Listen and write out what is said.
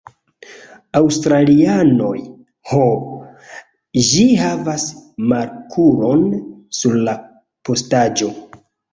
Australianoj. Ho, ĝi havas markulon sur la postaĵo.